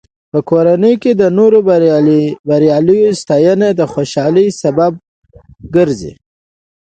په کورنۍ کې د نورو بریاوو ستاینه د خوشحالۍ سبب ګرځي.